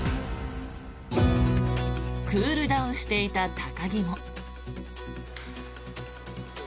クールダウンしていた高木も。